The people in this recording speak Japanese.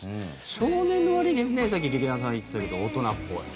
少年のわりにさっき、劇団さんが言ってたけど大人っぽい。